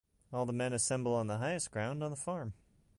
All the men assemble on the highest ground on the farm.